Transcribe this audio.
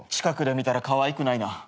近くで見たらかわいくないな。